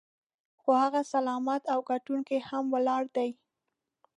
خو هغه سلامت او ګټونکی هم ولاړ دی.